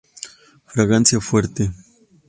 Fragancia fuerte.